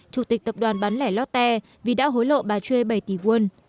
chủ tịch tập đoàn bán lẻ lót te vì đã hối lộ bà choi bảy tỷ quân